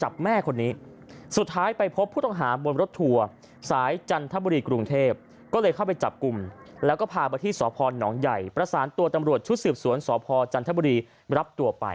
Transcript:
ไปถามผู้ต่อหาเอ็มรับสารภาพครับ